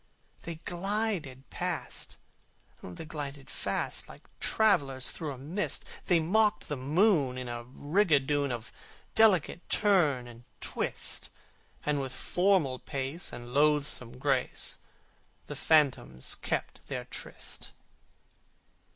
They glided past, the glided fast, Like travellers through a mist: They mocked the moon in a rigadoon Of delicate turn and twist, And with formal pace and loathsome grace The phantoms kept their tryst.